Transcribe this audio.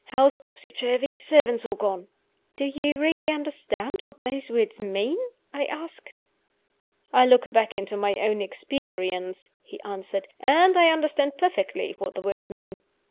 House topsy turvy. Servants all gone." "Do you really understand what those words mean?" I asked. "I look back into my own experience," he answered, "and I understand perfectly what the words mean."